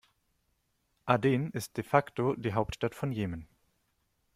Aden ist de facto die Hauptstadt von Jemen.